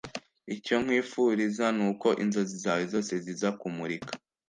icyo nkwifuriza nuko inzozi zawe zose ziza kumurika